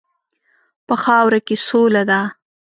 په خاوره کې سوله ده.